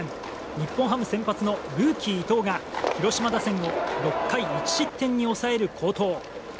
日本ハム先発のルーキー伊藤が広島打線を６回１失点に抑える好投。